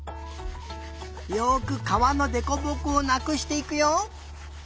よくかわのでこぼこをなくしていくよ。